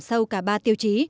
sau cả ba tiêu chí